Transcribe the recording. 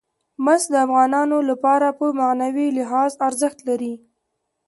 مس د افغانانو لپاره په معنوي لحاظ ارزښت لري.